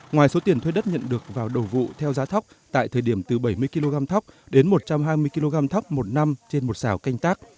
ngoài số tiền thuê đất nhận được vào đầu vụ theo giá thóc tại thời điểm từ bảy mươi kg thóc đến một trăm hai mươi kg thóc một năm trên một xào canh tác